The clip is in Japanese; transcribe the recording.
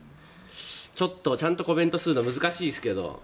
ちょっとちゃんとコメントするのが難しいですけど。